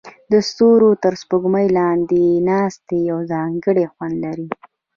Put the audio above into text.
د ستورو تر سپوږمۍ لاندې ناستې یو ځانګړی خوند لري.